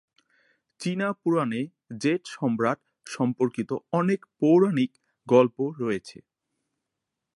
চীনা পুরাণে জেড সম্রাট সম্পর্কিত অনেক পৌরাণিক গল্প রয়েছে।